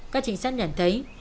các chính sách nhận thấy